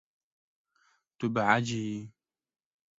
Tu behecî yî.